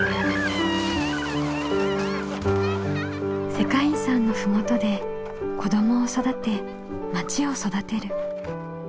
世界遺産の麓で子どもを育てまちを育てる。